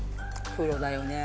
プロだよね。